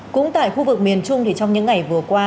cũng tại khu vực miền trung thì trong những ngày vừa qua